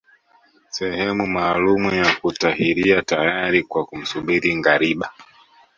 Sehemu maalumu ya kutahiria tayari kwa kumsubiri ngariba